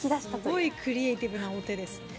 すごいクリエーティブなお手ですね。